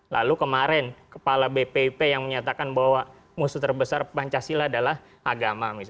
lalu kemarin kepala bpip yang menyatakan bahwa musuh terbesar pancasila adalah agama